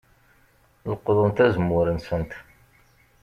Leqḍent azemmur-nsent.